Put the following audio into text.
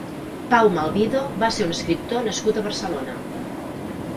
Pau Malvido va ser un escriptor nascut a Barcelona.